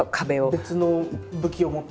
別の武器を持って。